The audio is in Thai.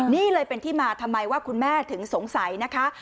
นี่เลยเป็นที่มาทำไมว่าคุณแม่ถึงสงสัยนะคะ